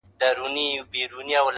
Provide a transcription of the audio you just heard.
په کښتیو په جالو کي سپرېدلې-